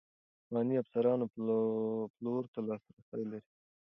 پخواني افسران پلور ته لاسرسی لري.